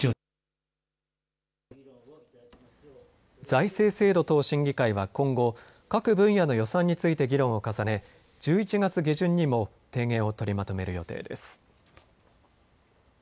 財政制度等審議会は今後、各分野の予算について議論を重ね１１月下旬にも提言を取りまとめる予定です。